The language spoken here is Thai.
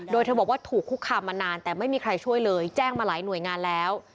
โดยเธอบอกว่าถูกคุกคามมานานแต่ไม่มีใครช่วยเลยแจ้งมาหลายหน่วยงานแล้ว